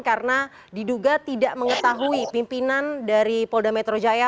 karena diduga tidak mengetahui pimpinan dari polda metro jaya